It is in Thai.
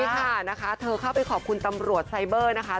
ใช่ค่ะนะคะเธอเข้าไปขอบคุณตำรวจไซเบอร์นะคะ